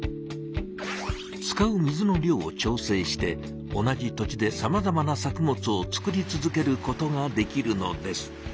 使う水の量を調整して同じ土地でさまざまな作物を作り続けることができるのです。